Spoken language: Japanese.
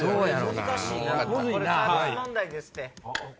サービス問題ですって。